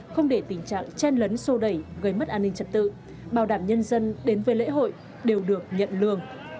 không để tình trạng chen lấn sô đẩy gây mất an ninh trật tự bảo đảm nhân dân đến với lễ hội đều được nhận lương